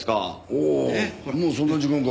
おおもうそんな時間か？